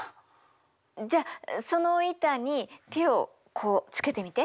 じゃあその板に手をこうつけてみて。